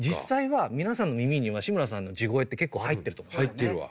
入ってるわ。